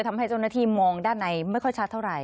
ทำให้เจ้าหน้าที่มองด้านในไม่ค่อยชัดเท่าไหร